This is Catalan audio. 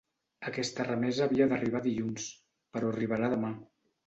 Aquesta remesa havia d’arribar dilluns, però arribarà demà.